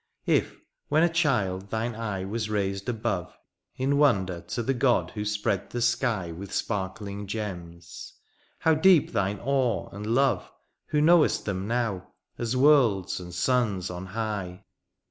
If^ when a child^ thine eye was raised above^ In wonder, to the God who spread the sky With sparkling gems, how deep thine awe and love Who know'st them now, as worlds, and suns on high.